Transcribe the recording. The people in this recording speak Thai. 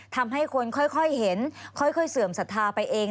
ทำให้คนค่อยเห็นค่อยเสื่อมศรัทธาไปเอง